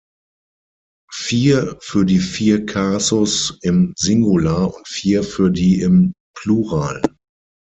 Vier für die vier Kasus im Singular und vier für die im Plural.